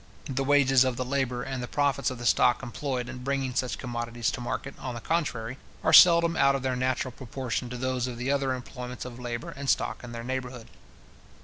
The wages of the labour, and the profits of the stock employed in bringing such commodities to market, on the contrary, are seldom out of their natural proportion to those of the other employments of labour and stock in their neighbourhood.